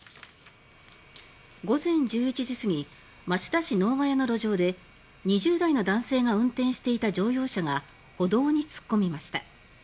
午前１１時すぎ町田市能ヶ谷の路上で２０代の男性が運転していた乗用車が歩道に突っ込みました。